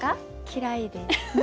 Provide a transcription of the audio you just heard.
嫌いです。